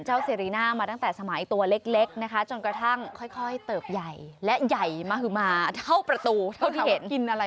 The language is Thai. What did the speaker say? กินอะไรเข้าไปที่ใหญ่ขนาดนี้